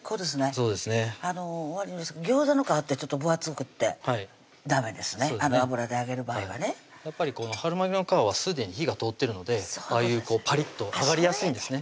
そうですね悪いですけどギョーザの皮ってちょっと分厚くってダメですね油で揚げる場合はねやっぱりこの春巻きの皮はすでに火が通ってるのでああいうこうパリッと揚がりやすいんですね